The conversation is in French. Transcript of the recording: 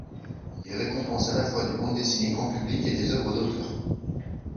Ils récompensent à la fois des bandes dessinées grand public et des œuvres d'auteur.